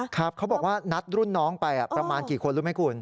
ครับเขาบอกว่านัดรุ่นน้องไปประมาณกี่คนรู้ไหมคุณ